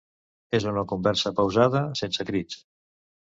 És una conversa pausada, sense crits.